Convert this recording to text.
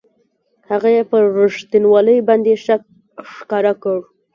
هغه یې پر رښتینوالي باندې شک ښکاره کړ.